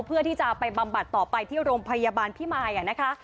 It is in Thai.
เพื่อที่จะไปบำบัดต่อไปที่โรงพยาบาลพิมายนะคะ